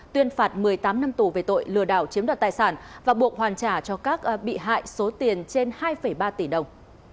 tuyên phạt một mươi tám năm tù về tội lừa đảo chiếm đoạt tài sản và buộc hoàn trả cho các bị hại số tiền trên hai ba tỷ đồng